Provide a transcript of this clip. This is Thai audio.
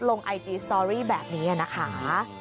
ลงไอจีสตอรี่แบบนี้นะคะ